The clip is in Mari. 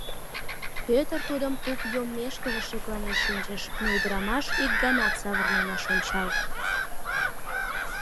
Пӧтыр тудым туп йоммешкыже шекланен шинчыш, но ӱдырамаш ик ганат савырнен ыш ончал.